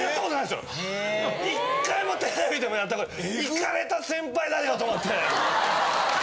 １回もテレビでもやったことないイカれた先輩だよと思って。